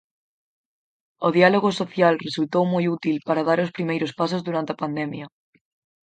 O diálogo social resultou moi útil para dar os primeiros pasos durante a pandemia.